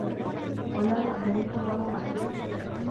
وَلَا يُعْذَرُ فِي ضَرُورَتِهِ